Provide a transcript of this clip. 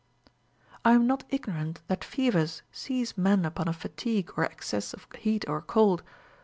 10. I am not ignorant that fevers seize men upon a fatigue or excess of heat or cold.